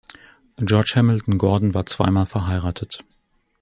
George Hamilton Gordon war zweimal verheiratet.